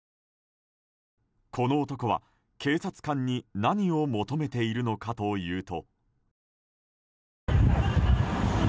この男は警察官に何を求めているのかというと。